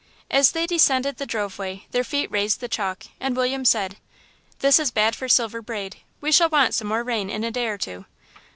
As they descended the drove way their feet raised the chalk, and William said "This is bad for Silver Braid; we shall want some more rain in a day or two....